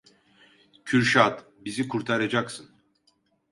Kürşad, bizi kurtaracaksın!